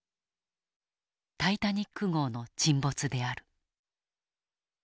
タイタニック号の沈没である。